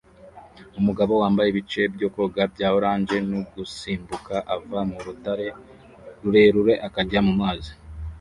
Umugabo wambaye ibice byo koga bya orange mugusimbuka ava mu rutare rurerure akajya mu mazi